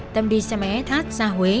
tâm đi xe máy sh ra huế